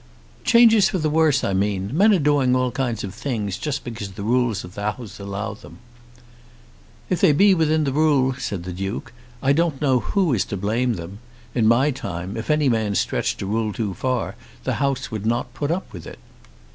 "Changes for the worse, I mean. Men are doing all kinds of things, just because the rules of the House allow them." "If they be within rule," said the Duke, "I don't know who is to blame them. In my time, if any man stretched a rule too far the House would not put up with it."